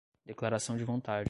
declaração de vontade